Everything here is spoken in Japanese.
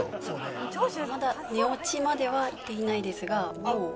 まだ寝落ちまではいっていないですがもう。